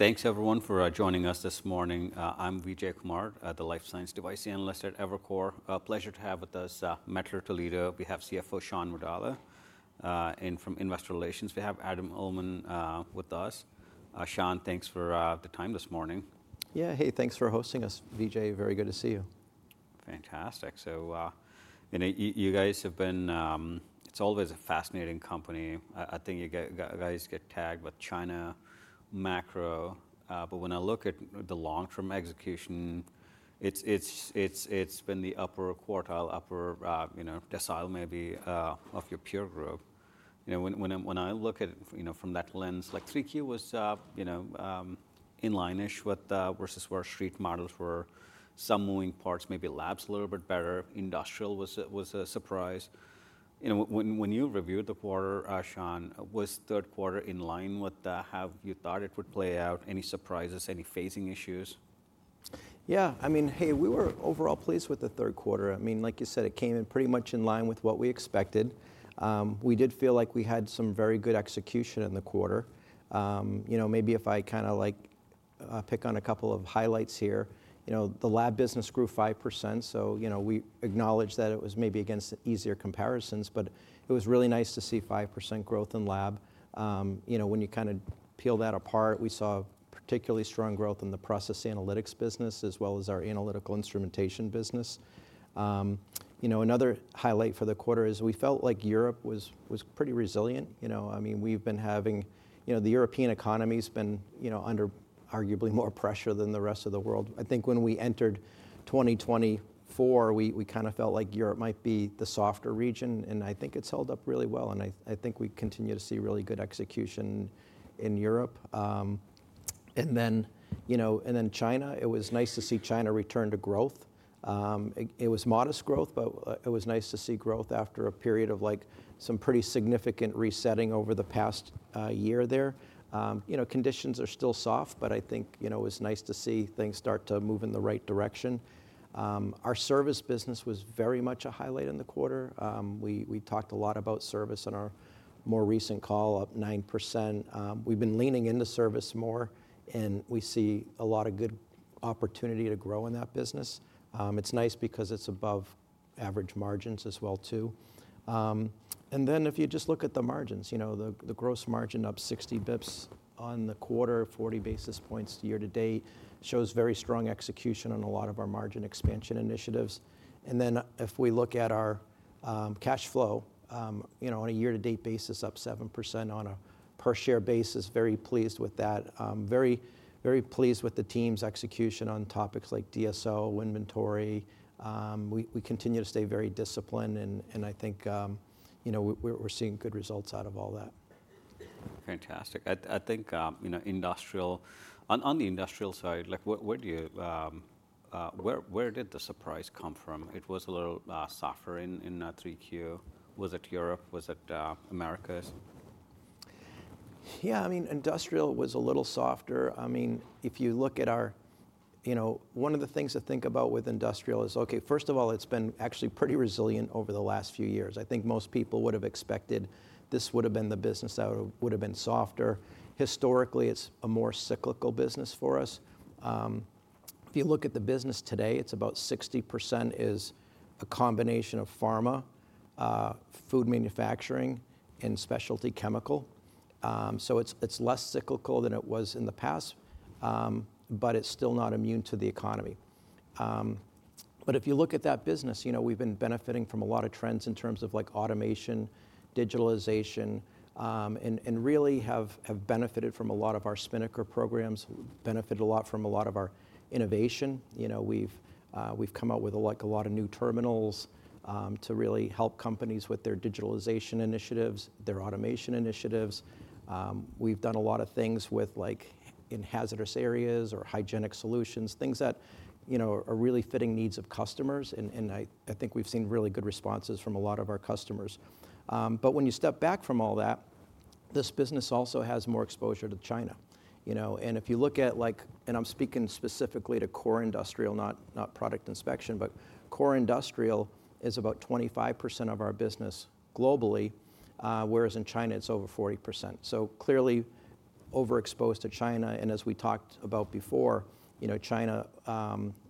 Thanks, everyone, for joining us this morning. I'm Vijay Kumar, the Life Science Device Analyst at Evercore. Pleasure to have with us Mettler-Toledo. We have CFO Shawn Vadala from Investor Relations. We have Adam Uhlman with us. Shawn, thanks for the time this morning. Yeah, hey, thanks for hosting us, Vijay. Very good to see you. Fantastic, so you know, you guys have been. It's always a fascinating company, but when I look at the long-term execution, it's been the upper quartile, upper decile maybe of your peer group. You know, when I look at it from that lens, like 3Q was in line-ish versus where street models were. Some moving parts, maybe labs a little bit better. Industrial was a surprise. You know, when you reviewed the quarter, Shawn, was third quarter in line with how you thought it would play out? Any surprises, any phasing issues? Yeah, I mean, hey, we were overall pleased with the third quarter. I mean, like you said, it came in pretty much in line with what we expected. We did feel like we had some very good execution in the quarter. You know, maybe if I kind of like pick on a couple of highlights here, you know, the lab business grew 5%. So, you know, we acknowledge that it was maybe against easier comparisons, but it was really nice to see 5% growth in lab. You know, when you kind of peel that apart, we saw particularly strong growth in the process analytics business as well as our analytical instrumentation business. You know, another highlight for the quarter is we felt like Europe was pretty resilient. You know, I mean, we've been having, you know, the European economy has been under arguably more pressure than the rest of the world. I think when we entered 2024, we kind of felt like Europe might be the softer region. And I think it's held up really well. And I think we continue to see really good execution in Europe. And then, you know, and then China, it was nice to see China return to growth. It was modest growth, but it was nice to see growth after a period of like some pretty significant resetting over the past year there. You know, conditions are still soft, but I think, you know, it was nice to see things start to move in the right direction. Our service business was very much a highlight in the quarter. We talked a lot about service on our more recent call, up 9%. We've been leaning into service more, and we see a lot of good opportunity to grow in that business. It's nice because it's above average margins as well, too, and then if you just look at the margins, you know, the gross margin up 60 basis points on the quarter, 40 basis points year to date, shows very strong execution on a lot of our margin expansion initiatives, and then if we look at our cash flow, you know, on a year to date basis, up 7% on a per-share basis. Very pleased with that. Very, very pleased with the team's execution on topics like DSO, inventory. We continue to stay very disciplined, and I think, you know, we're seeing good results out of all that. Fantastic. I think, you know, industrial, on the industrial side, like where did the surprise come from? It was a little softer in 3Q. Was it Europe? Was it America? Yeah, I mean, industrial was a little softer. I mean, if you look at our, you know, one of the things to think about with industrial is, okay, first of all, it's been actually pretty resilient over the last few years. I think most people would have expected this would have been the business that would have been softer. Historically, it's a more cyclical business for us. If you look at the business today, it's about 60% is a combination of pharma, food manufacturing, and specialty chemical. So it's less cyclical than it was in the past, but it's still not immune to the economy. But if you look at that business, you know, we've been benefiting from a lot of trends in terms of like automation, digitalization, and really have benefited from a lot of our Spinnaker programs, benefited a lot from a lot of our innovation. You know, we've come out with like a lot of new terminals to really help companies with their digitalization initiatives, their automation initiatives. We've done a lot of things with like in hazardous areas or hygienic solutions, things that, you know, are really fitting needs of customers. And I think we've seen really good responses from a lot of our customers. But when you step back from all that, this business also has more exposure to China. You know, and if you look at like, and I'm speaking specifically to core industrial, not product inspection, but core industrial is about 25% of our business globally, whereas in China, it's over 40%. So clearly overexposed to China. And as we talked about before, you know, China,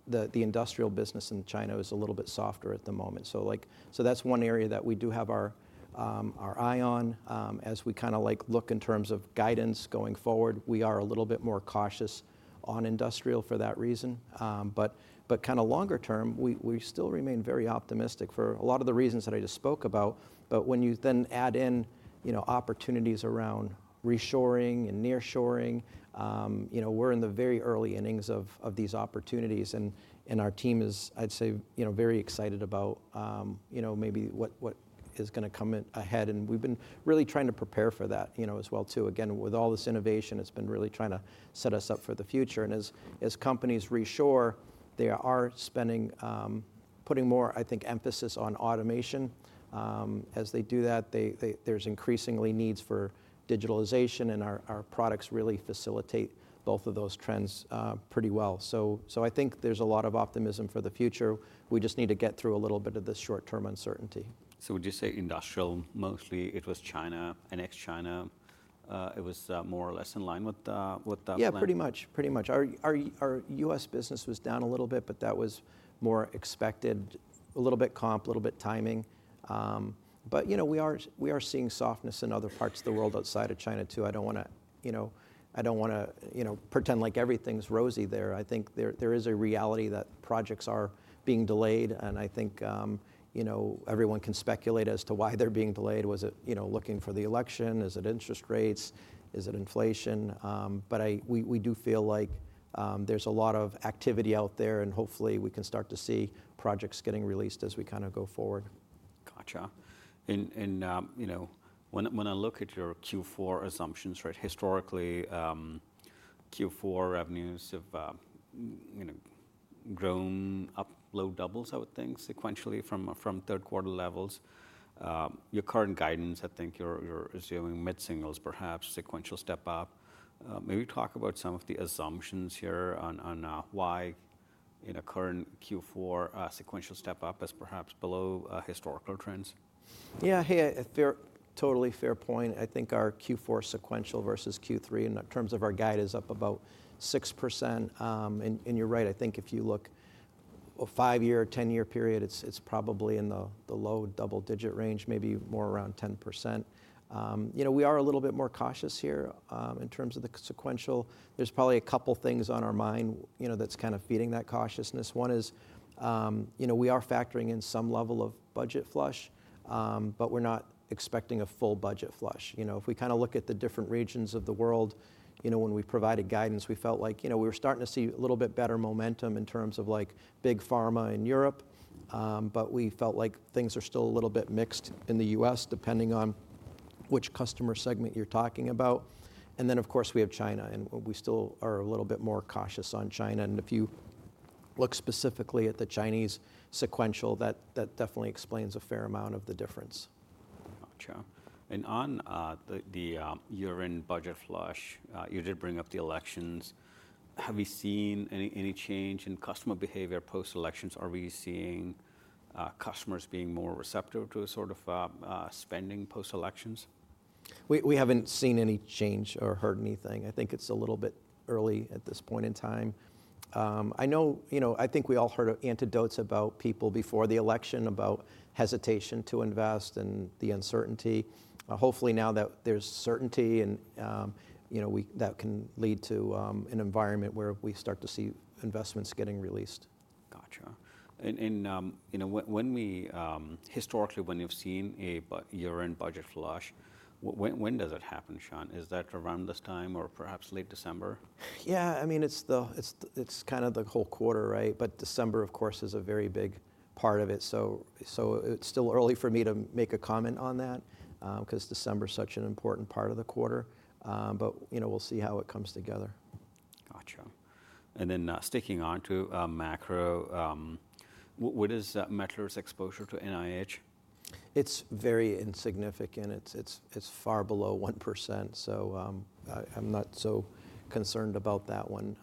the industrial business in China is a little bit softer at the moment. That's one area that we do have our eye on. As we kind of like look in terms of guidance going forward, we are a little bit more cautious on industrial for that reason. But kind of longer term, we still remain very optimistic for a lot of the reasons that I just spoke about. But when you then add in, you know, opportunities around reshoring and nearshoring, you know, we're in the very early innings of these opportunities. And our team is, I'd say, you know, very excited about, you know, maybe what is going to come ahead. And we've been really trying to prepare for that, you know, as well, too. Again, with all this innovation, it's been really trying to set us up for the future. And as companies reshore, they are spending, putting more, I think, emphasis on automation. As they do that, there's increasingly needs for digitalization. And our products really facilitate both of those trends pretty well. So I think there's a lot of optimism for the future. We just need to get through a little bit of this short-term uncertainty. So would you say industrial mostly, it was China and ex-China, it was more or less in line with that plan? Yeah, pretty much, pretty much. Our U.S. business was down a little bit, but that was more expected, a little bit comp, a little bit timing, but, you know, we are seeing softness in other parts of the world outside of China, too. I don't want to, you know, I don't want to, you know, pretend like everything's rosy there. I think there is a reality that projects are being delayed, and I think, you know, everyone can speculate as to why they're being delayed. Was it, you know, looking for the election? Is it interest rates? Is it inflation, but we do feel like there's a lot of activity out there, and hopefully we can start to see projects getting released as we kind of go forward. Gotcha. And you know, when I look at your Q4 assumptions, right, historically, Q4 revenues have, you know, grown up low doubles, I would think, sequentially from third quarter levels. Your current guidance, I think you're assuming mid-singles, perhaps, sequential step-up. Maybe talk about some of the assumptions here on why, in a current Q4, sequential step-up is perhaps below historical trends. Yeah, hey, totally fair point. I think our Q4 sequential versus Q3, in terms of our guide, is up about 6%, and you're right. I think if you look at a five-year, 10-year period, it's probably in the low double-digit range, maybe more around 10%. You know, we are a little bit more cautious here in terms of the sequential. There's probably a couple of things on our mind, you know, that's kind of feeding that cautiousness. One is, you know, we are factoring in some level of budget flush, but we're not expecting a full budget flush. You know, if we kind of look at the different regions of the world, you know, when we provided guidance, we felt like, you know, we were starting to see a little bit better momentum in terms of like big pharma in Europe. But we felt like things are still a little bit mixed in the U.S., depending on which customer segment you're talking about. And then, of course, we have China. And we still are a little bit more cautious on China. And if you look specifically at the Chinese sequential, that definitely explains a fair amount of the difference. Gotcha. And on the year-end budget flush, you did bring up the elections. Have you seen any change in customer behavior post-elections? Are we seeing customers being more receptive to a sort of spending post-elections? We haven't seen any change or heard anything. I think it's a little bit early at this point in time. I know, you know, I think we all heard anecdotes about people before the election about hesitation to invest and the uncertainty. Hopefully now that there's certainty and, you know, that can lead to an environment where we start to see investments getting released. Gotcha. And, you know, when we historically, when you've seen a year-end budget flush, when does it happen, Shawn? Is that around this time or perhaps late December? Yeah, I mean, it's kind of the whole quarter, right? But December, of course, is a very big part of it. So it's still early for me to make a comment on that because December is such an important part of the quarter. But, you know, we'll see how it comes together. Gotcha, and then sticking on to macro, what is Mettler's exposure to NIH? It's very insignificant. It's far below 1%. So I'm not so concerned about that one.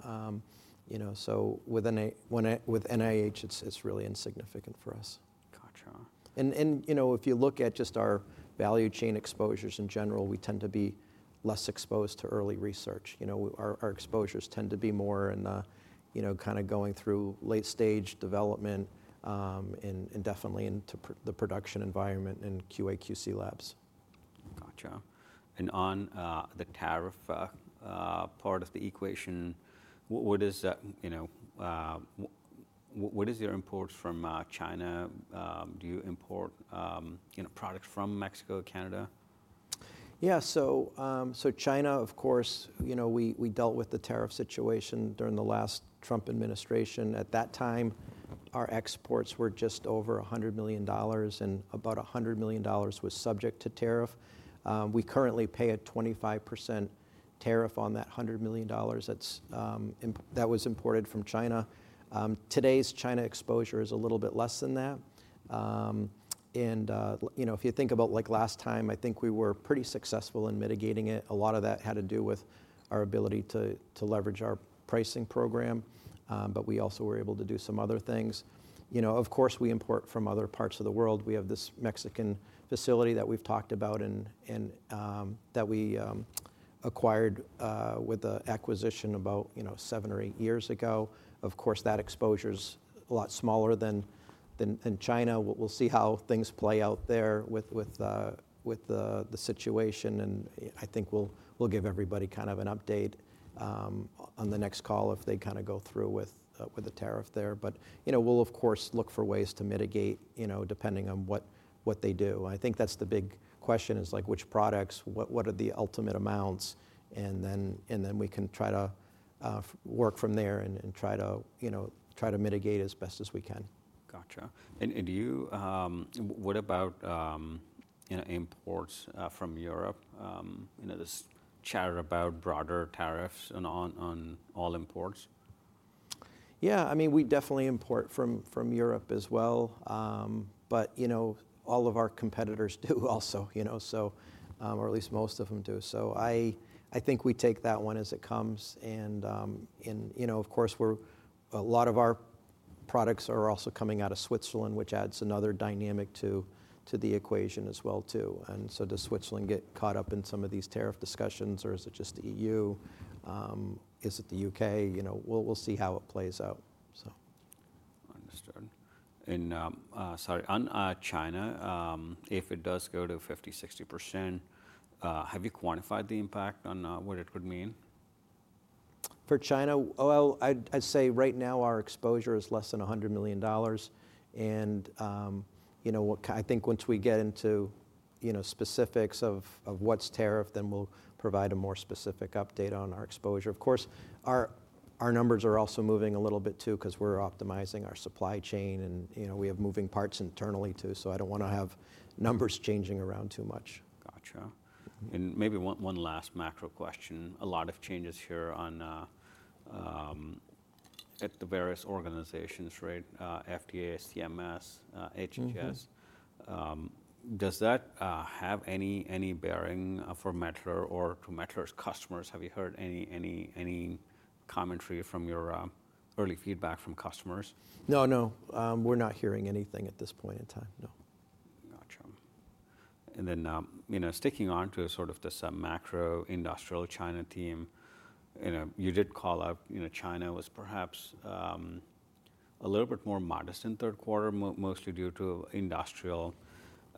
You know, so with NIH, it's really insignificant for us. Gotcha. You know, if you look at just our value chain exposures in general, we tend to be less exposed to early research. You know, our exposures tend to be more in the, you know, kind of going through late-stage development and definitely into the production environment in QA/QC labs. Gotcha. And on the tariff part of the equation, what is your imports from China? Do you import, you know, products from Mexico, Canada? Yeah, so China, of course, you know, we dealt with the tariff situation during the last Trump administration. At that time, our exports were just over $100 million, and about $100 million was subject to tariff. We currently pay a 25% tariff on that $100 million that was imported from China. Today's China exposure is a little bit less than that. And, you know, if you think about like last time, I think we were pretty successful in mitigating it. A lot of that had to do with our ability to leverage our pricing program. But we also were able to do some other things. You know, of course, we import from other parts of the world. We have this Mexican facility that we've talked about and that we acquired with an acquisition about, you know, seven or eight years ago. Of course, that exposure is a lot smaller than China. We'll see how things play out there with the situation, and I think we'll give everybody kind of an update on the next call if they kind of go through with the tariff there, but you know, we'll, of course, look for ways to mitigate, you know, depending on what they do. I think that's the big question is like which products, what are the ultimate amounts, and then we can try to work from there and try to, you know, try to mitigate as best as we can. Gotcha. And what about, you know, imports from Europe? You know, this chatter about broader tariffs on all imports. Yeah, I mean, we definitely import from Europe as well. But, you know, all of our competitors do also, you know, so, or at least most of them do. So I think we take that one as it comes. And, you know, of course, a lot of our products are also coming out of Switzerland, which adds another dynamic to the equation as well, too. And so does Switzerland get caught up in some of these tariff discussions, or is it just the EU? Is it the UK? You know, we'll see how it plays out, so. Understood. And sorry, on China, if it does go to 50%-60%, have you quantified the impact on what it could mean? For China, I'd say right now our exposure is less than $100 million. You know, I think once we get into, you know, specifics of what's tariff, then we'll provide a more specific update on our exposure. Of course, our numbers are also moving a little bit, too, because we're optimizing our supply chain. You know, we have moving parts internally, too. So I don't want to have numbers changing around too much. Gotcha. And maybe one last macro question. A lot of changes here at the various organizations, right? FDA, CMS, HHS. Does that have any bearing for Mettler or to Mettler's customers? Have you heard any commentary from your early feedback from customers? No, no. We're not hearing anything at this point in time. No. Gotcha. And then, you know, sticking on to sort of this macro industrial China theme, you know, you did call out, you know, China was perhaps a little bit more modest in third quarter, mostly due to industrial.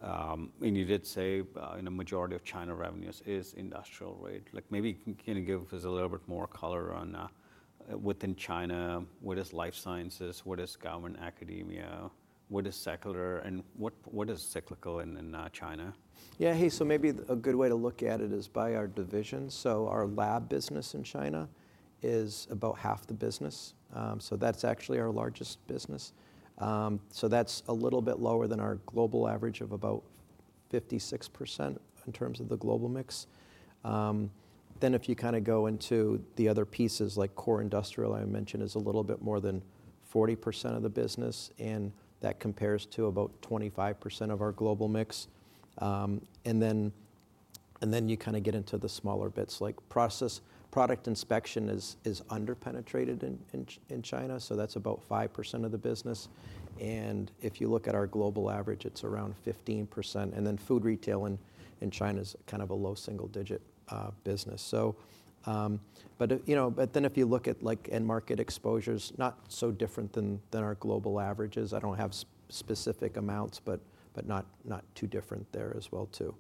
And you did say, you know, majority of China revenues is industrial, right? Like maybe can you give us a little bit more color on within China, what is life sciences, what is government academia, what is secular, and what is cyclical in China? Yeah, hey, so maybe a good way to look at it is by our division. So our lab business in China is about half the business. So that's actually our largest business. So that's a little bit lower than our global average of about 56% in terms of the global mix. Then if you kind of go into the other pieces, like core industrial, I mentioned, is a little bit more than 40% of the business. And that compares to about 25% of our global mix. And then you kind of get into the smaller bits, like process, product inspection is underpenetrated in China. So that's about 5% of the business. And if you look at our global average, it's around 15%. And then food retail in China is kind of a low single-digit business. But you know, but then if you look at like end market exposures, not so different than our global averages. I don't have specific amounts, but not too different there as well, too.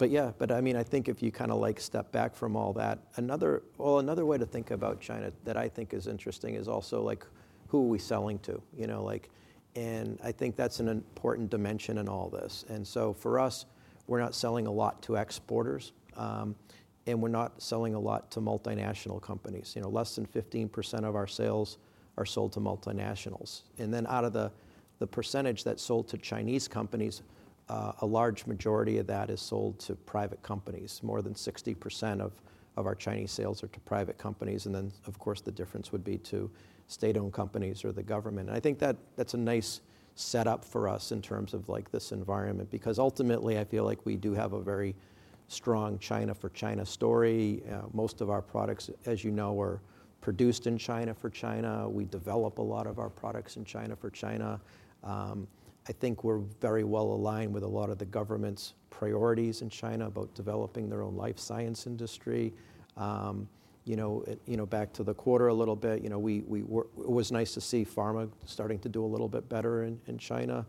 But yeah, but I mean, I think if you kind of like step back from all that, another, well, another way to think about China that I think is interesting is also like who are we selling to, you know, like, and I think that's an important dimension in all this. For us, we're not selling a lot to exporters. We're not selling a lot to multinational companies. You know, less than 15% of our sales are sold to multinationals. Then out of the percentage that's sold to Chinese companies, a large majority of that is sold to private companies. More than 60% of our Chinese sales are to private companies. Then, of course, the difference would be to state-owned companies or the government. I think that that's a nice setup for us in terms of like this environment. Because ultimately, I feel like we do have a very strong China for China story. Most of our products, as you know, are produced in China for China. We develop a lot of our products in China for China. I think we're very well aligned with a lot of the government's priorities in China about developing their own life science industry. You know, back to the quarter a little bit, you know, it was nice to see pharma starting to do a little bit better in China.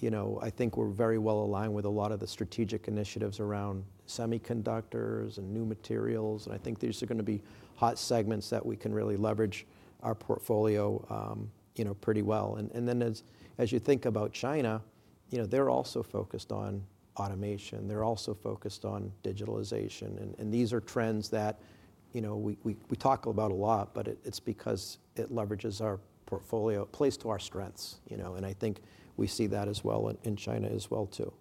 You know, I think we're very well aligned with a lot of the strategic initiatives around semiconductors and new materials. And I think these are going to be hot segments that we can really leverage our portfolio, you know, pretty well. And then as you think about China, you know, they're also focused on automation. They're also focused on digitalization. And these are trends that, you know, we talk about a lot, but it's because it leverages our portfolio, plays to our strengths, you know. And I think we see that as well in China as well, too.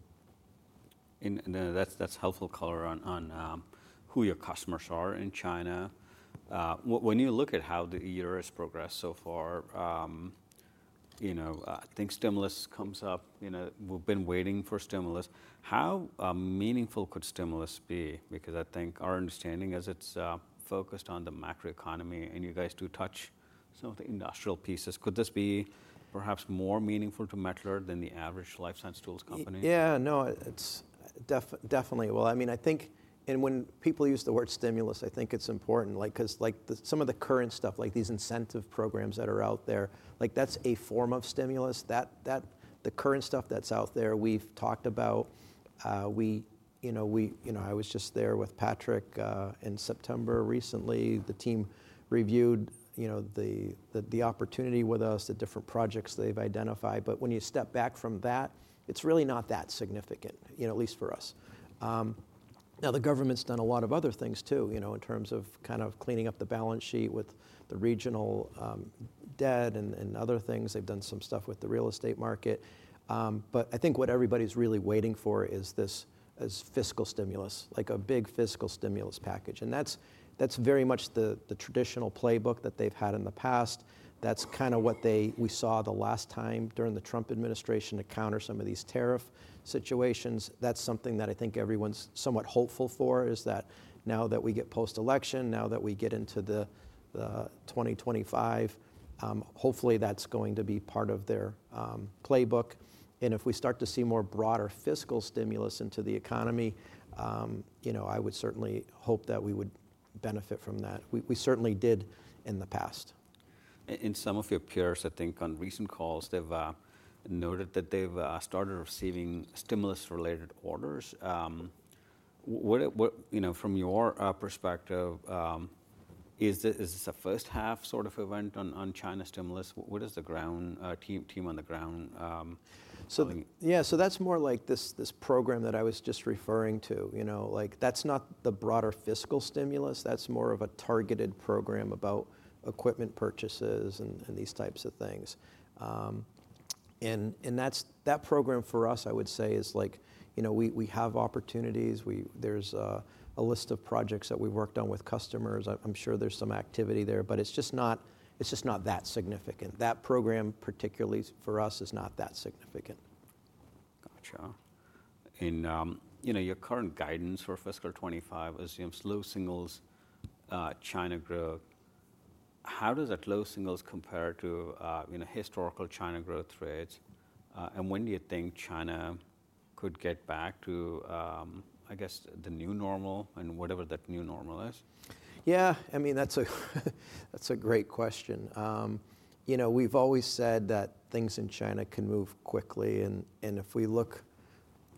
That's helpful color on who your customers are in China. When you look at how the year has progressed so far, you know, I think stimulus comes up, you know, we've been waiting for stimulus. How meaningful could stimulus be? Because I think our understanding is it's focused on the macroeconomy. You guys do touch some of the industrial pieces. Could this be perhaps more meaningful to Mettler than the average life science tools company? Yeah, no, it's definitely, well, I mean, I think, and when people use the word stimulus, I think it's important, like because like some of the current stuff, like these incentive programs that are out there, like that's a form of stimulus. The current stuff that's out there, we've talked about. We, you know, I was just there with Patrick in September recently. The team reviewed, you know, the opportunity with us, the different projects they've identified. But when you step back from that, it's really not that significant, you know, at least for us. Now, the government's done a lot of other things, too, you know, in terms of kind of cleaning up the balance sheet with the regional debt and other things. They've done some stuff with the real estate market. But I think what everybody's really waiting for is this fiscal stimulus, like a big fiscal stimulus package. And that's very much the traditional playbook that they've had in the past. That's kind of what we saw the last time during the Trump administration to counter some of these tariff situations. That's something that I think everyone's somewhat hopeful for is that now that we get post-election, now that we get into the 2025, hopefully that's going to be part of their playbook. And if we start to see more broader fiscal stimulus into the economy, you know, I would certainly hope that we would benefit from that. We certainly did in the past. Some of your peers, I think on recent calls, they've noted that they've started receiving stimulus-related orders. You know, from your perspective, is this a first-half sort of event on China stimulus? What is the ground team on the ground? Yeah, so that's more like this program that I was just referring to, you know, like that's not the broader fiscal stimulus. That's more of a targeted program about equipment purchases and these types of things. And that program for us, I would say, is like, you know, we have opportunities. There's a list of projects that we've worked on with customers. I'm sure there's some activity there, but it's just not that significant. That program, particularly for us, is not that significant. Gotcha. And, you know, your current guidance for fiscal 2025 assumes low singles China growth. How does that low singles compare to, you know, historical China growth rates? And when do you think China could get back to, I guess, the new normal and whatever that new normal is? Yeah, I mean, that's a great question. You know, we've always said that things in China can move quickly. And if we look,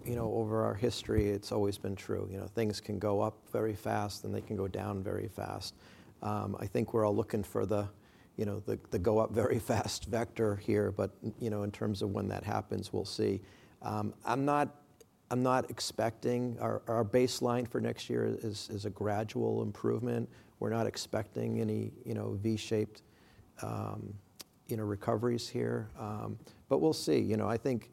you know, over our history, it's always been true. You know, things can go up very fast and they can go down very fast. I think we're all looking for the, you know, the go up very fast vector here. But, you know, in terms of when that happens, we'll see. I'm not expecting our baseline for next year is a gradual improvement. We're not expecting any, you know, V-shaped, you know, recoveries here. But we'll see. You know, I think,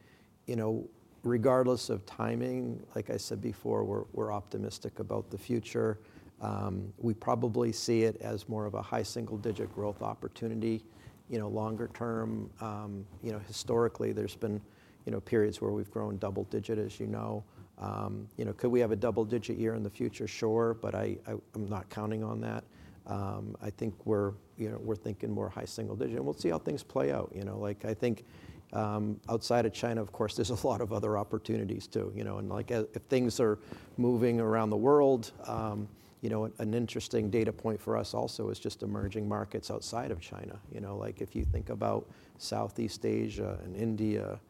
you know, regardless of timing, like I said before, we're optimistic about the future. We probably see it as more of a high single-digit growth opportunity, you know, longer term. You know, historically, there's been, you know, periods where we've grown double-digit, as you know. You know, could we have a double-digit year in the future? Sure, but I'm not counting on that. I think we're, you know, we're thinking more high single-digit, and we'll see how things play out, you know. Like I think outside of China, of course, there's a lot of other opportunities, too, you know. And like if things are moving around the world, you know, an interesting data point for us also is just emerging markets outside of China, you know. Like if you think about Southeast Asia and India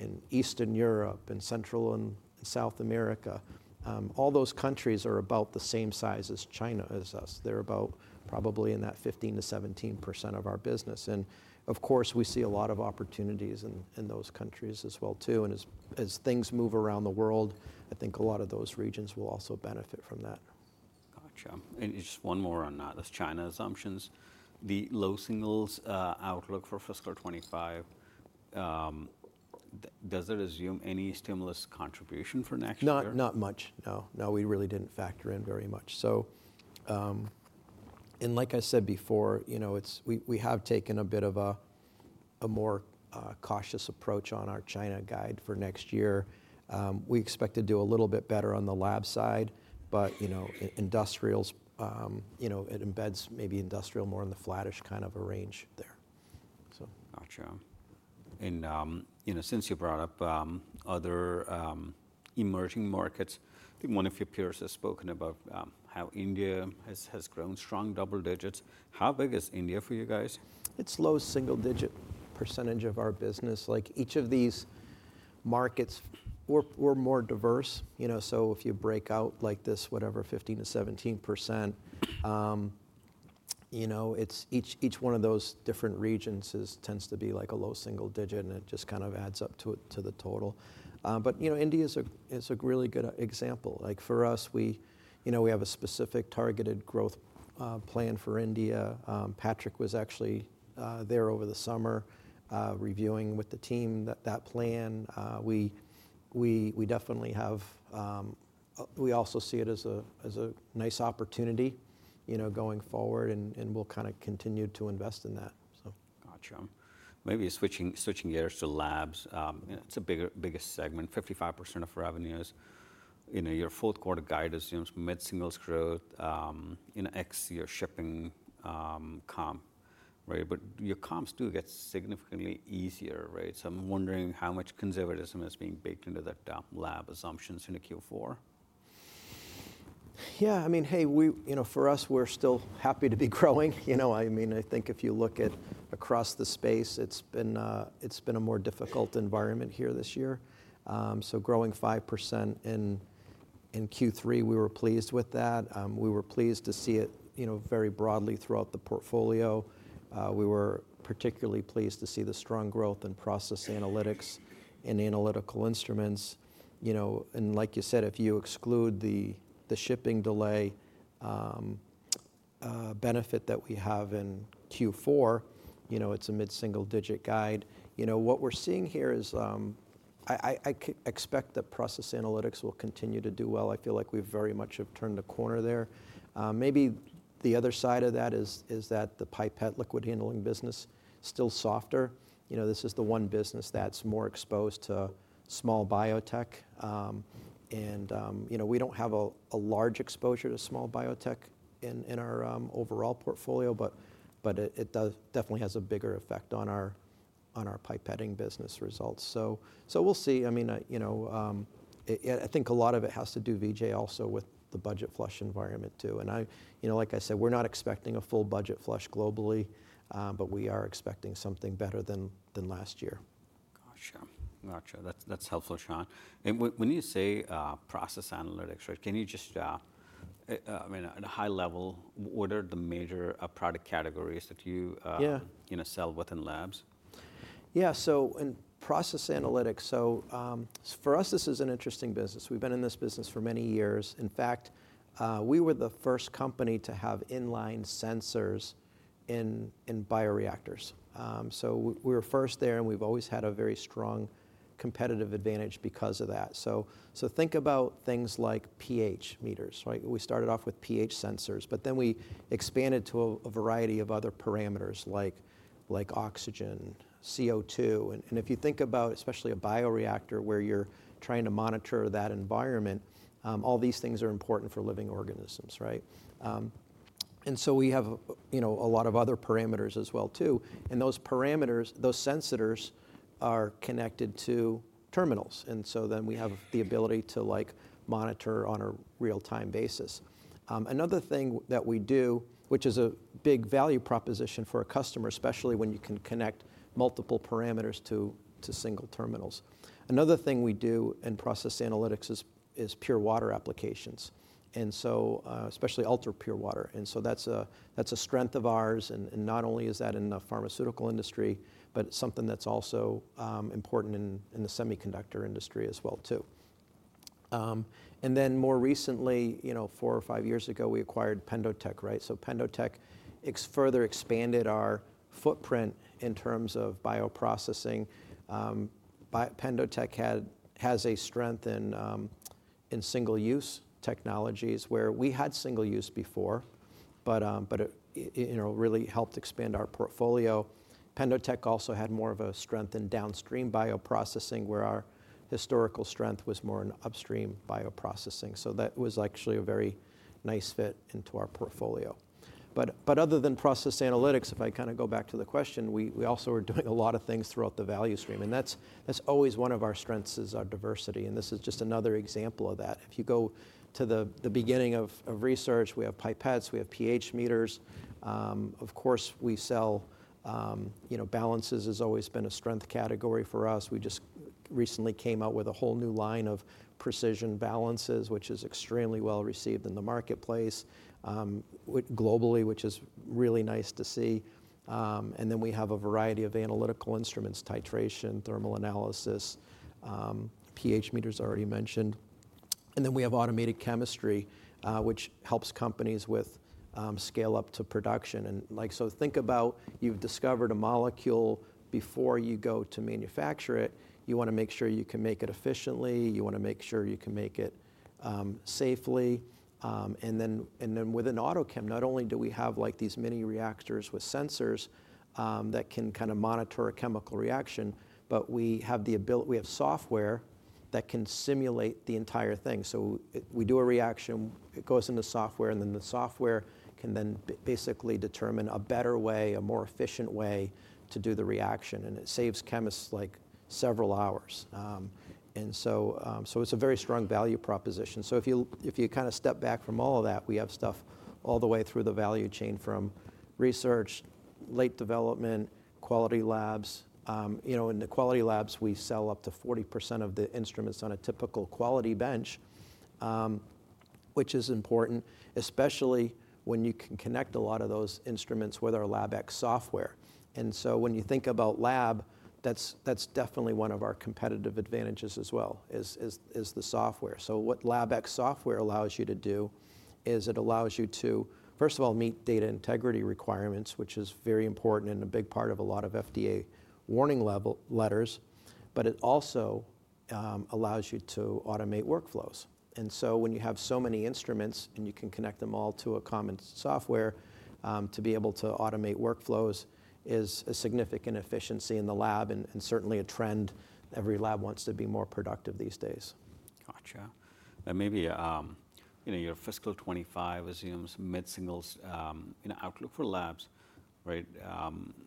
and Eastern Europe and Central and South America, all those countries are about the same size as China is to us. They're about probably in that 15%-17% of our business. And of course, we see a lot of opportunities in those countries as well, too. As things move around the world, I think a lot of those regions will also benefit from that. Gotcha. And just one more on those China assumptions. The low singles outlook for fiscal 2025, does it assume any stimulus contribution for next year? Not much, no. No, we really didn't factor in very much. So, and like I said before, you know, we have taken a bit of a more cautious approach on our China guide for next year. We expect to do a little bit better on the lab side, but, you know, industrials, you know, it embeds maybe industrial more in the flattish kind of a range there, so. Gotcha. And, you know, since you brought up other emerging markets, I think one of your peers has spoken about how India has grown strong double digits. How big is India for you guys? It's low single-digit % of our business. Like each of these markets, we're more diverse, you know. So if you break out like this, whatever, 15%-17%, you know, each one of those different regions tends to be like a low single-digit %, and it just kind of adds up to the total. But, you know, India is a really good example. Like for us, we, you know, we have a specific targeted growth plan for India. Patrick was actually there over the summer reviewing with the team that plan. We definitely have, we also see it as a nice opportunity, you know, going forward, and we'll kind of continue to invest in that, so. Gotcha. Maybe switching gears to labs. It's a bigger segment, 55% of revenues. You know, your fourth quarter guide assumes mid-singles growth, you know, ex your shipping comp, right? But your comps do get significantly easier, right? So I'm wondering how much conservatism is being baked into that lab assumptions in Q4? Yeah, I mean, hey, we, you know, for us, we're still happy to be growing, you know. I mean, I think if you look at across the space, it's been a more difficult environment here this year. So growing 5% in Q3, we were pleased with that. We were pleased to see it, you know, very broadly throughout the portfolio. We were particularly pleased to see the strong growth in process analytics and analytical instruments, you know. And like you said, if you exclude the shipping delay benefit that we have in Q4, you know, it's a mid-single digit guide. You know, what we're seeing here is I expect that process analytics will continue to do well. I feel like we've very much have turned the corner there. Maybe the other side of that is that the pipette liquid handling business is still softer. You know, this is the one business that's more exposed to small biotech. And, you know, we don't have a large exposure to small biotech in our overall portfolio, but it definitely has a bigger effect on our pipetting business results. So we'll see. I mean, you know, I think a lot of it has to do, Vijay, also with the budget flush environment, too. And I, you know, like I said, we're not expecting a full budget flush globally, but we are expecting something better than last year. Gotcha. Gotcha. That's helpful, Shawn. And when you say process analytics, right, can you just, I mean, at a high level, what are the major product categories that you, you know, sell within labs? Yeah, so in process analytics, so for us, this is an interesting business. We've been in this business for many years. In fact, we were the first company to have inline sensors in bioreactors. So we were first there, and we've always had a very strong competitive advantage because of that. So think about things like pH meters, right? We started off with pH sensors, but then we expanded to a variety of other parameters like oxygen, CO2. And if you think about especially a bioreactor where you're trying to monitor that environment, all these things are important for living organisms, right? And so we have, you know, a lot of other parameters as well, too. And those parameters, those sensors are connected to terminals. And so then we have the ability to like monitor on a real-time basis. Another thing that we do, which is a big value proposition for a customer, especially when you can connect multiple parameters to single terminals. Another thing we do in process analytics is pure water applications. And so especially ultra pure water. And so that's a strength of ours. And not only is that in the pharmaceutical industry, but it's something that's also important in the semiconductor industry as well, too. And then more recently, you know, four or five years ago, we acquired PendoTECH, right? So PendoTECH further expanded our footprint in terms of bioprocessing. PendoTECH has a strength in single-use technologies where we had single-use before, but it, you know, really helped expand our portfolio. PendoTECH also had more of a strength in downstream bioprocessing where our historical strength was more in upstream bioprocessing. So that was actually a very nice fit into our portfolio. But other than process analytics, if I kind of go back to the question, we also were doing a lot of things throughout the value stream. And that's always one of our strengths is our diversity. And this is just another example of that. If you go to the beginning of research, we have pipettes, we have pH meters. Of course, we sell, you know, balances has always been a strength category for us. We just recently came out with a whole new line of precision Balances, which is extremely well received in the marketplace globally, which is really nice to see. And then we have a variety of analytical instruments, titration, thermal analysis, pH meters already mentioned. And then we have automated chemistry, which helps companies with scale-up to production. And like, so think about you've discovered a molecule before you go to manufacture it. You want to make sure you can make it efficiently. You want to make sure you can make it safely, and then within AutoChem, not only do we have like these mini reactors with sensors that can kind of monitor a chemical reaction, but we have the ability, we have software that can simulate the entire thing. So we do a reaction, it goes into software, and then the software can then basically determine a better way, a more efficient way to do the reaction, and it saves chemists like several hours, and so it's a very strong value proposition. So if you kind of step back from all of that, we have stuff all the way through the value chain from research, late development, quality labs. You know, in the quality labs, we sell up to 40% of the instruments on a typical quality bench, which is important, especially when you can connect a lot of those instruments with our LabX software. And so when you think about lab, that's definitely one of our competitive advantages as well is the software. So what LabX software allows you to do is it allows you to, first of all, meet data integrity requirements, which is very important and a big part of a lot of FDA warning letters. But it also allows you to automate workflows. And so when you have so many instruments and you can connect them all to a common software to be able to automate workflows is a significant efficiency in the lab and certainly a trend. Every lab wants to be more productive these days. Gotcha. And maybe, you know, your fiscal 2025 assumes mid-singles outlook for labs, right?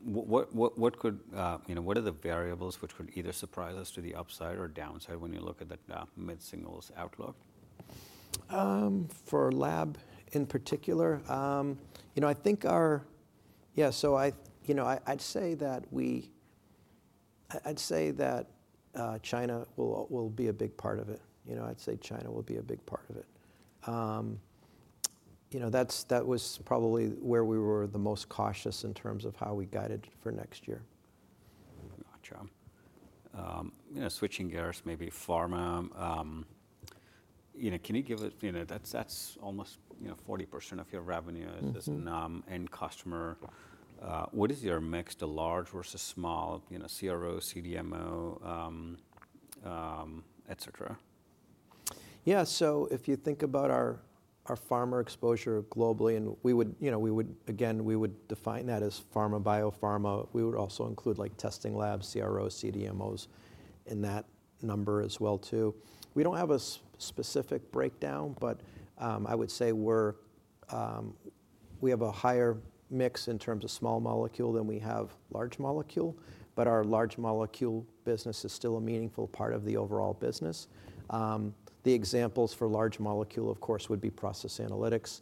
What could, you know, what are the variables which would either surprise us to the upside or downside when you look at the mid-singles outlook? For lab in particular, you know, I'd say that China will be a big part of it. You know, that was probably where we were the most cautious in terms of how we guided for next year. Gotcha. You know, switching gears, maybe pharma, you know, can you give us, you know, that's almost, you know, 40% of your revenue is end customer. What is your mix to large versus small, you know, CRO, CDMO, et cetera? Yeah, so if you think about our pharma exposure globally, and we would, you know, again, define that as pharma, biopharma. We would also include like testing labs, CROs, CDMOs in that number as well, too. We don't have a specific breakdown, but I would say we have a higher mix in terms of small molecule than we have large molecule. But our large molecule business is still a meaningful part of the overall business. The examples for large molecule, of course, would be process analytics.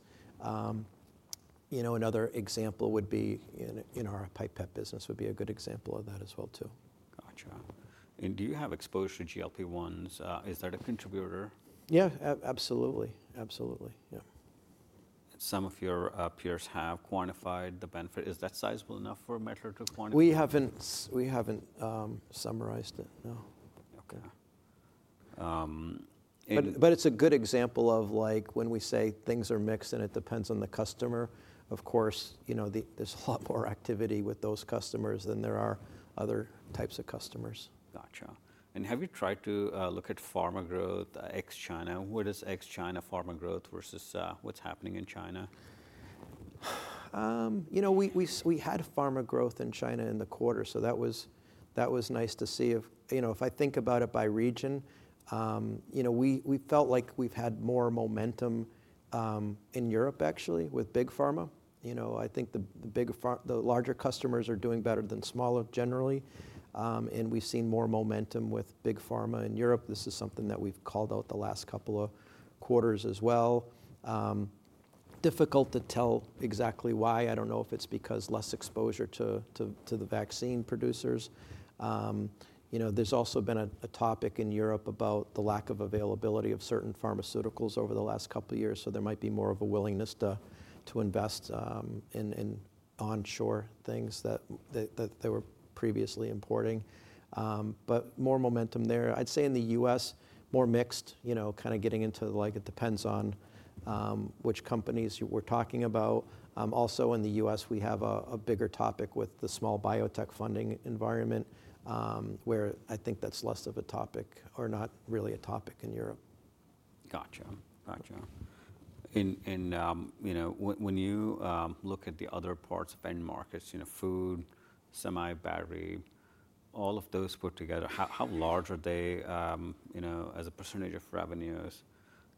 You know, another example would be in our pipette business, a good example of that as well, too. Gotcha. And do you have exposure to GLP-1s? Is that a contributor? Yeah, absolutely. Absolutely. Yeah. Some of your peers have quantified the benefit. Is that sizable enough for a measure to quantify? We haven't summarized it, no. Okay. But it's a good example of like when we say things are mixed and it depends on the customer, of course, you know, there's a lot more activity with those customers than there are other types of customers. Gotcha. And have you tried to look at pharma growth ex China? What is ex China pharma growth versus what's happening in China? You know, we had pharma growth in China in the quarter, so that was nice to see. You know, if I think about it by region, you know, we felt like we've had more momentum in Europe, actually, with big pharma. You know, I think the larger customers are doing better than smaller generally. And we've seen more momentum with big pharma in Europe. This is something that we've called out the last couple of quarters as well. Difficult to tell exactly why. I don't know if it's because less exposure to the vaccine producers. You know, there's also been a topic in Europe about the lack of availability of certain pharmaceuticals over the last couple of years. So there might be more of a willingness to invest in onshore things that they were previously importing. But more momentum there. I'd say in the U.S., more mixed, you know, kind of getting into like it depends on which companies we're talking about. Also, in the U.S., we have a bigger topic with the small biotech funding environment where I think that's less of a topic or not really a topic in Europe. Gotcha. Gotcha. And, you know, when you look at the other parts of end markets, you know, food, semi-battery, all of those put together, how large are they, you know, as a percentage of revenues?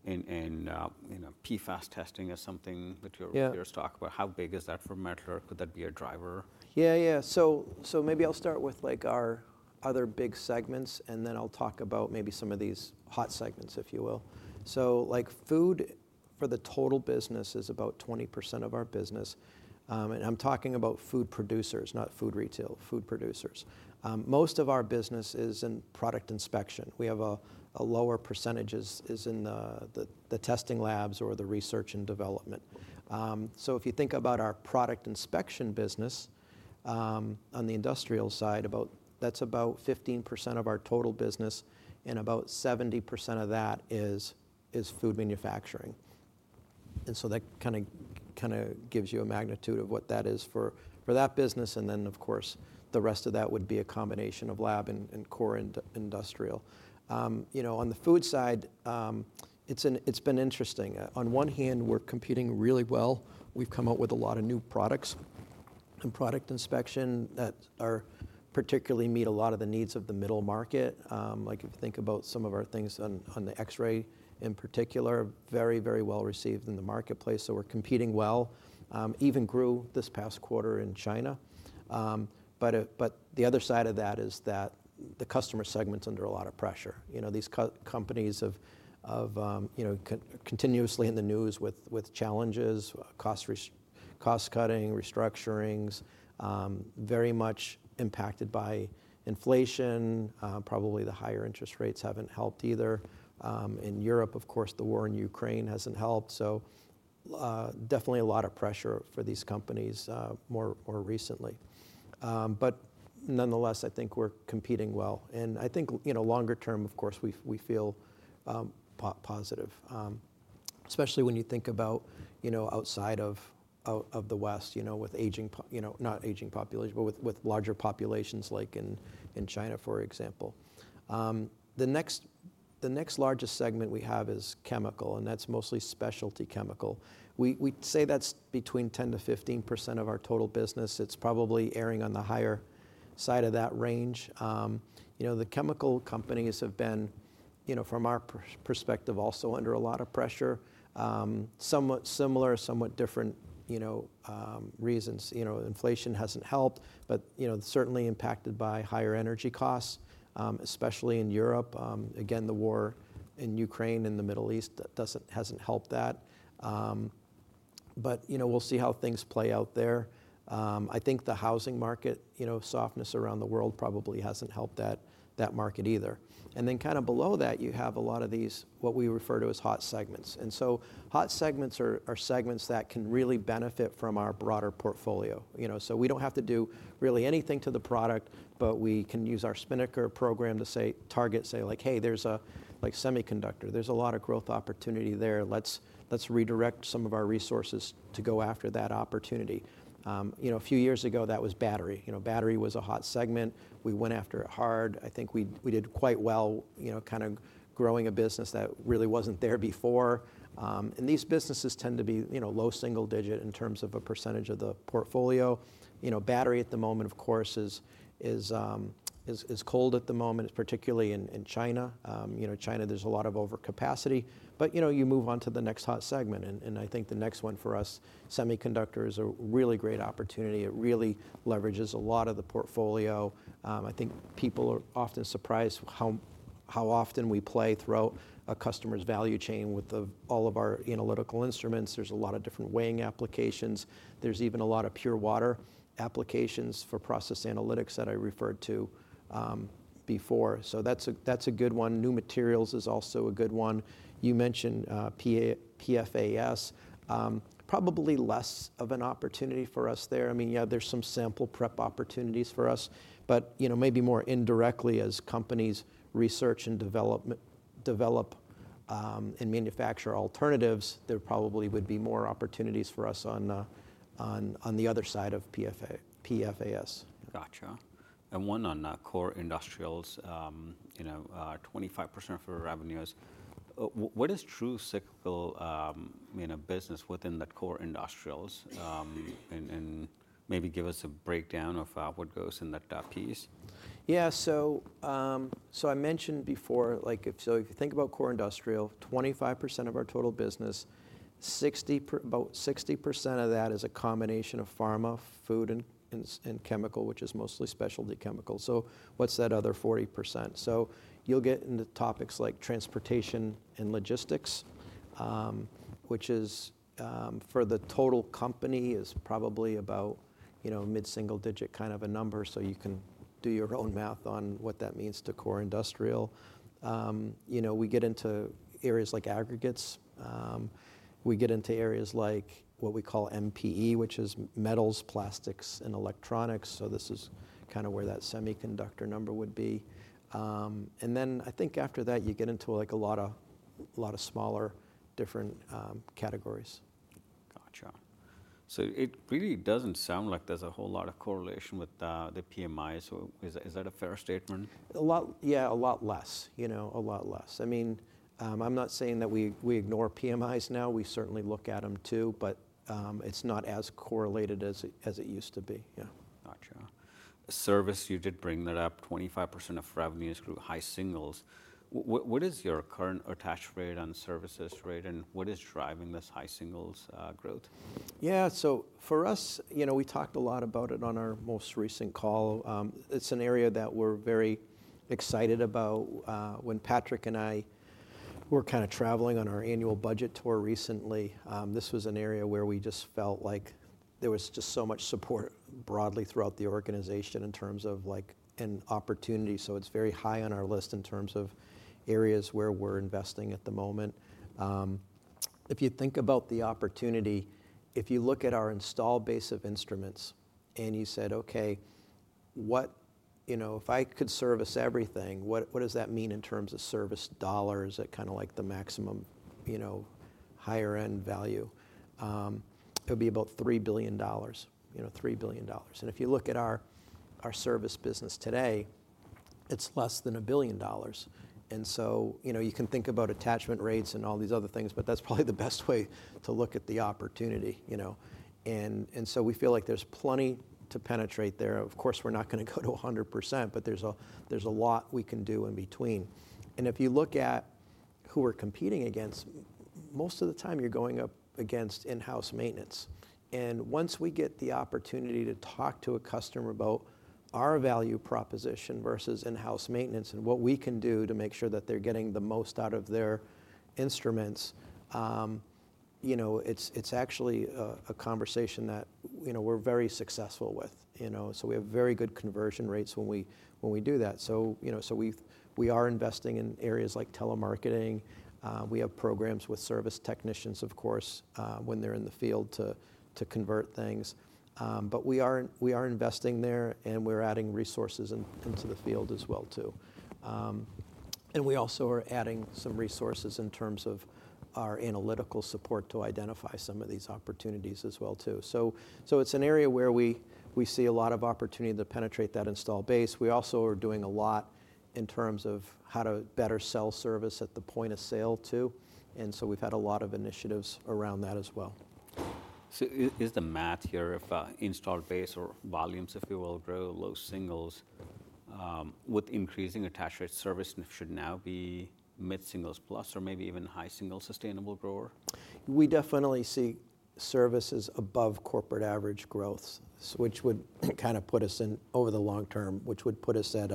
And, you know, PFAS testing is something that your peers talk about. How big is that for Mettler? Could that be a driver? Yeah, yeah, so maybe I'll start with like our other big segments, and then I'll talk about maybe some of these hot segments, if you will, so like food for the total business is about 20% of our business, and I'm talking about food producers, not food retail, food producers. Most of our business is in product inspection. We have a lower percentage is in the testing labs or the research and development, so if you think about our product inspection business on the industrial side, that's about 15% of our total business, and about 70% of that is food manufacturing, and so that kind of gives you a magnitude of what that is for that business, and then, of course, the rest of that would be a combination of lab and core industrial. You know, on the food side, it's been interesting. On one hand, we're competing really well. We've come up with a lot of new products and product inspection that particularly meet a lot of the needs of the middle market. Like if you think about some of our things on the X-ray in particular, very, very well received in the marketplace. So we're competing well. Even grew this past quarter in China. But the other side of that is that the customer segment's under a lot of pressure. You know, these companies have, you know, continuously in the news with challenges, cost cutting, restructurings, very much impacted by inflation. Probably the higher interest rates haven't helped either. In Europe, of course, the war in Ukraine hasn't helped. So definitely a lot of pressure for these companies more recently. But nonetheless, I think we're competing well. I think, you know, longer term, of course, we feel positive, especially when you think about, you know, outside of the West, you know, with aging, you know, not aging population, but with larger populations like in China, for example. The next largest segment we have is chemical, and that's mostly specialty chemical. We'd say that's between 10%-15% of our total business. It's probably erring on the higher side of that range. You know, the chemical companies have been, you know, from our perspective, also under a lot of pressure, somewhat similar, somewhat different, you know, reasons. You know, inflation hasn't helped, but, you know, certainly impacted by higher energy costs, especially in Europe. Again, the war in Ukraine and the Middle East hasn't helped that. We'll see how things play out there. I think the housing market, you know, softness around the world probably hasn't helped that market either, and then kind of below that, you have a lot of these, what we refer to as hot segments, and so hot segments are segments that can really benefit from our broader portfolio. You know, so we don't have to do really anything to the product, but we can use our Spinnaker program to say, target, say like, hey, there's a like semiconductor, there's a lot of growth opportunity there. Let's redirect some of our resources to go after that opportunity. You know, a few years ago, that was battery. You know, battery was a hot segment. We went after it hard. I think we did quite well, you know, kind of growing a business that really wasn't there before. And these businesses tend to be, you know, low single digit in terms of a percentage of the portfolio. You know, battery at the moment, of course, is cold at the moment, particularly in China. You know, China, there's a lot of overcapacity. But, you know, you move on to the next hot segment. And I think the next one for us, semiconductors, is a really great opportunity. It really leverages a lot of the portfolio. I think people are often surprised how often we play throughout a customer's value chain with all of our analytical instruments. There's a lot of different weighing applications. There's even a lot of pure water applications for process analytics that I referred to before. So that's a good one. New materials is also a good one. You mentioned PFAS. Probably less of an opportunity for us there. I mean, yeah, there's some sample prep opportunities for us, but, you know, maybe more indirectly as companies research and develop and manufacture alternatives, there probably would be more opportunities for us on the other side of PFAS. Gotcha. And one on core industrials, you know, 25% of our revenues. What is true cyclical business within the core industrials? And maybe give us a breakdown of what goes in that piece. Yeah, so I mentioned before, like if you think about core industrial, 25% of our total business, about 60% of that is a combination of pharma, food, and chemical, which is mostly specialty chemicals. So what's that other 40%? So you'll get into topics like transportation and logistics, which for the total company is probably about, you know, mid-single digit kind of a number. So you can do your own math on what that means to core industrial. You know, we get into areas like aggregates. We get into areas like what we call MPE, which is metals, plastics, and electronics. So this is kind of where that semiconductor number would be. And then I think after that, you get into like a lot of smaller different categories. Gotcha. So it really doesn't sound like there's a whole lot of correlation with the PMIs. Is that a fair statement? Yeah, a lot less, you know, a lot less. I mean, I'm not saying that we ignore PMIs now. We certainly look at them too, but it's not as correlated as it used to be. Yeah. Gotcha. Service, you did bring that up. 25% of revenues grew high singles. What is your current attached rate on services rate and what is driving this high singles growth? Yeah, so for us, you know, we talked a lot about it on our most recent call. It's an area that we're very excited about. When Patrick and I were kind of traveling on our annual budget tour recently, this was an area where we just felt like there was just so much support broadly throughout the organization in terms of like an opportunity. So it's very high on our list in terms of areas where we're investing at the moment. If you think about the opportunity, if you look at our install base of instruments and you said, okay, what, you know, if I could service everything, what does that mean in terms of service dollars at kind of like the maximum, you know, higher end value? It would be about $3 billion, you know, $3 billion. And if you look at our service business today, it's less than $1 billion. And so, you know, you can think about attachment rates and all these other things, but that's probably the best way to look at the opportunity, you know. And so we feel like there's plenty to penetrate there. Of course, we're not going to go to 100%, but there's a lot we can do in between. And if you look at who we're competing against, most of the time you're going up against in-house maintenance. And once we get the opportunity to talk to a customer about our value proposition versus in-house maintenance and what we can do to make sure that they're getting the most out of their instruments, you know, it's actually a conversation that, you know, we're very successful with, you know. So we have very good conversion rates when we do that. So, you know, so we are investing in areas like telemarketing. We have programs with service technicians, of course, when they're in the field to convert things. But we are investing there and we're adding resources into the field as well too. And we also are adding some resources in terms of our analytical support to identify some of these opportunities as well too. So it's an area where we see a lot of opportunity to penetrate that installed base. We also are doing a lot in terms of how to better sell service at the point of sale too. And so we've had a lot of initiatives around that as well. So is the math here of install base or volumes, if you will, grow low singles with increasing attached rate service should now be mid-singles plus or maybe even high single sustainable grower? We definitely see services above corporate average growth, which would kind of put us in over the long term, which would put us at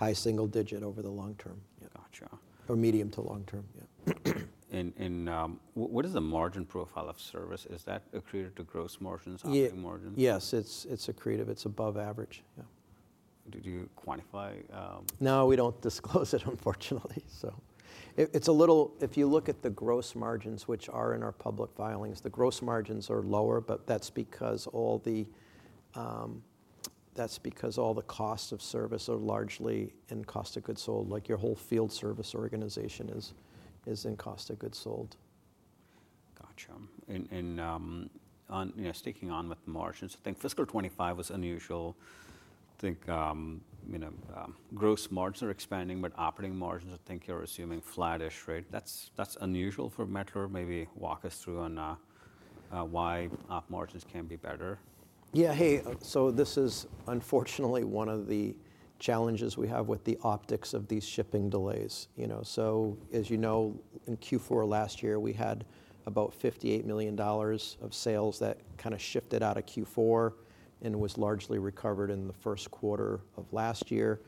a high single digit over the long term. Gotcha. Or medium to long term, yeah. What is the margin profile of service? Is that accretive to gross margins? Yes, it's accretive. It's above average. Yeah. Did you quantify? No, we don't disclose it, unfortunately. So it's a little, if you look at the gross margins, which are in our public filings, the gross margins are lower, but that's because all the costs of service are largely in cost of goods sold. Like your whole field service organization is in cost of goods sold. Gotcha, and you know, sticking on with margins, I think fiscal 2025 was unusual. I think, you know, gross margins are expanding, but operating margins, I think you're assuming flattish, right? That's unusual for Mettler. Maybe walk us through on why op margins can be better. Yeah, hey, so this is unfortunately one of the challenges we have with the optics of these shipping delays, you know. So as you know, in Q4 last year, we had about $58 million of sales that kind of shifted out of Q4 and was largely recovered in the first quarter of last year,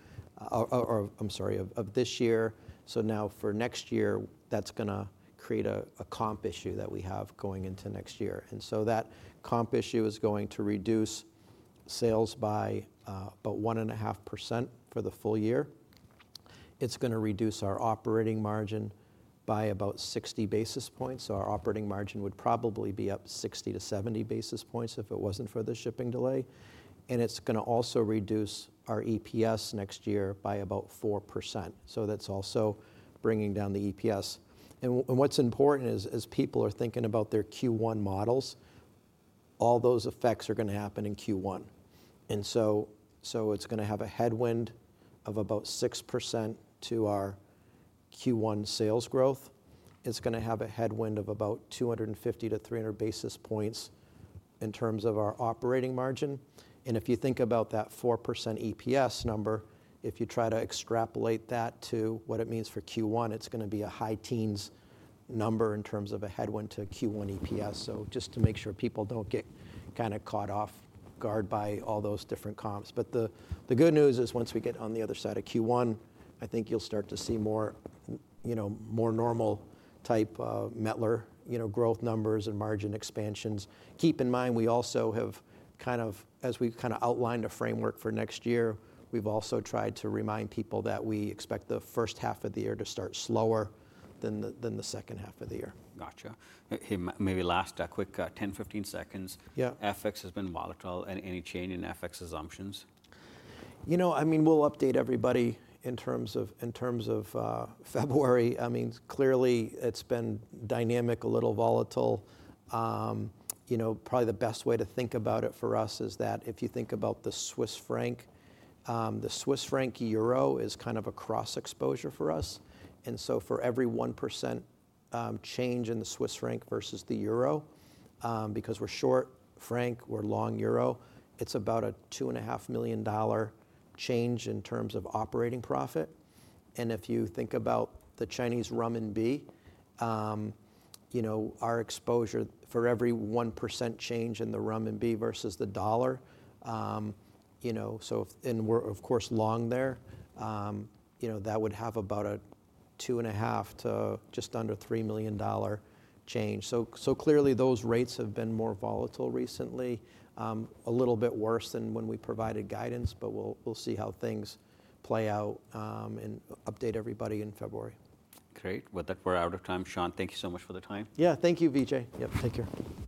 or I'm sorry, of this year. So now for next year, that's going to create a comp issue that we have going into next year. And so that comp issue is going to reduce sales by about 1.5% for the full year. It's going to reduce our operating margin by about 60 basis points. So our operating margin would probably be up 60-70 basis points if it wasn't for the shipping delay. And it's going to also reduce our EPS next year by about 4%. So that's also bringing down the EPS. What's important is as people are thinking about their Q1 models, all those effects are going to happen in Q1. It's going to have a headwind of about 6% to our Q1 sales growth. It's going to have a headwind of about 250-300 basis points in terms of our operating margin. If you think about that 4% EPS number, if you try to extrapolate that to what it means for Q1, it's going to be a high teens number in terms of a headwind to Q1 EPS. Just to make sure people don't get kind of caught off guard by all those different comps. The good news is once we get on the other side of Q1, I think you'll start to see more, you know, more normal type Mettler, you know, growth numbers and margin expansions. Keep in mind, we also have kind of, as we kind of outlined a framework for next year, we've also tried to remind people that we expect the first half of the year to start slower than the second half of the year. Gotcha. Hey, maybe last quick 10, 15 seconds. FX has been volatile. Any change in FX assumptions? You know, I mean, we'll update everybody in terms of February. I mean, clearly it's been dynamic, a little volatile. You know, probably the best way to think about it for us is that if you think about the Swiss franc, the Swiss franc euro is kind of a cross exposure for us. And so for every 1% change in the Swiss franc versus the euro, because we're short franc, we're long euro, it's about a $2.5 million change in terms of operating profit. And if you think about the Chinese renminbi, you know, our exposure for every 1% change in the renminbi versus the dollar, you know, so if, and we're of course long there, you know, that would have about a $2.5 to just under $3 million change. So clearly those rates have been more volatile recently, a little bit worse than when we provided guidance, but we'll see how things play out and update everybody in February. Great. With that, we're out of time. Shawn, thank you so much for the time. Yeah, thank you, Vijay. Yep, take care.